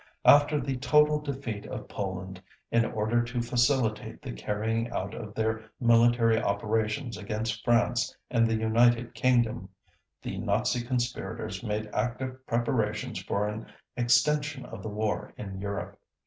After the total defeat of Poland, in order to facilitate the carrying out of their military operations against France and the United Kingdom, the Nazi conspirators made active preparations for an extension of the war in Europe.